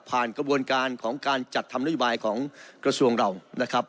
กระบวนการของการจัดทำนโยบายของกระทรวงเรานะครับ